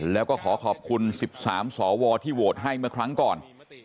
แล้วก็ขอขอบคุณ๑๓สวที่โหวตให้เมื่อครั้งก่อน